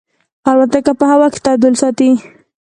الوتکه په هوا کې تعادل ساتي.